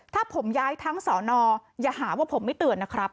ถ้าผมย้ายทั้งสอนออย่าหาว่าผมไม่เตือนนะครับ